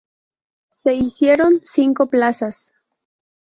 Se hicieron cinco plazas.